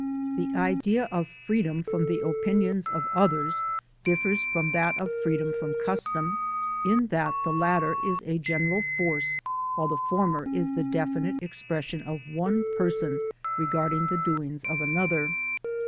The idea of freedom from the opinions of others differs from that of freedom from custom, in that the latter is a general force, while the former AMERICAN PHILOSOPHY OF LIFE 283 is the definite expression of one person regarding the doings of another.